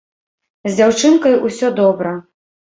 З дзяўчынкай усё добра.